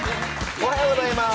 おはようございます。